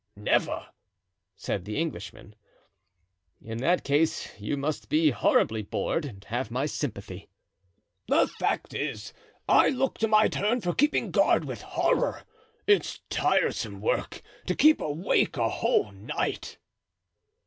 "Never," said the Englishman. "In that case you must be horribly bored, and have my sympathy." "The fact is, I look to my turn for keeping guard with horror. It's tiresome work to keep awake a whole night."